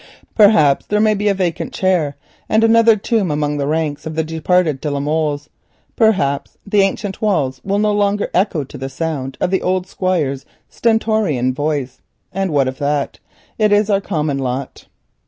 Perhaps there may be a vacant chair, and another tomb among the ranks of the departed de la Molles; perhaps the ancient walls will no longer echo to the sound of the Squire's stentorian voice. And what of that? It is our common lot.